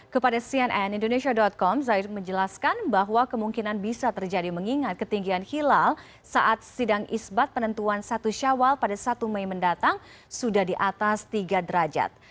kepada cnn indonesia com zaitun menjelaskan bahwa kemungkinan bisa terjadi mengingat ketinggian hilal saat sidang isbat penentuan satu syawal pada satu mei mendatang sudah di atas tiga derajat